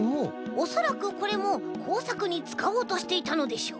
おそらくこれもこうさくにつかおうとしていたのでしょう。